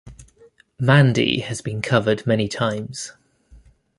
"Mandy" has been covered many times.